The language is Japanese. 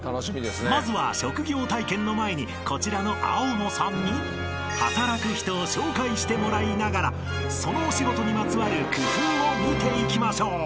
［まずは職業体験の前にこちらの青野さんに働く人を紹介してもらいながらそのお仕事にまつわる工夫を見ていきましょう］